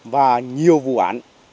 và nhiều vụ án